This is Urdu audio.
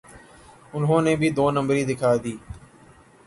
انہوں نے بھی دو نمبری دکھا دی۔